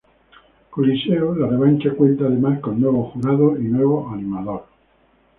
Coliseo, la revancha cuenta además con nuevos jurados y nuevo animador.